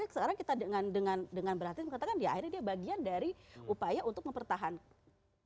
sekarang kita dengan berarti mengatakan ya akhirnya dia bagian dari upaya untuk mempertahankan